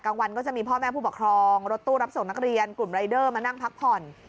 วันก็จะมีพ่อแม่ผู้ปกครองรถตู้รับส่งนักเรียนกลุ่มรายเดอร์มานั่งพักผ่อน